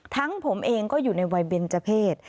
ทั้งผมเองก็อยู่ในวัยเบรจเพศ